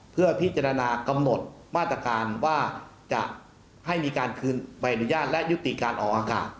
เพื่อพิจารณากำหนดมาตรการว่าจะให้มีการคืนใบอนุญาตและยุติการออกอากาศ